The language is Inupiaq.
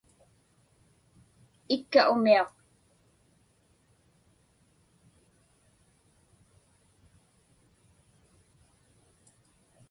Ikka umiaq.